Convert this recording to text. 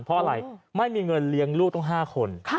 เพราะอะไรไม่มีเงินเลี้ยงลูกต้อง๕คน